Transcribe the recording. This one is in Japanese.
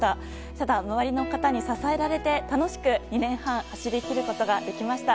ただ、周りの方に支えられて楽しく２年半走りきることができました。